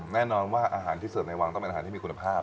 แน่นอนว่าอาหารที่เสิร์ฟในวังต้องเป็นอาหารที่มีคุณภาพ